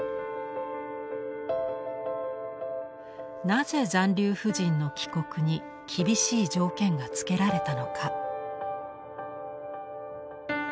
なぜ残留婦人の帰国に厳しい条件がつけられたのか。